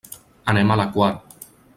Anem a la Quar.